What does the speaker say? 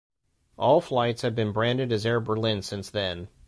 All flights have been branded as Air Berlin since then.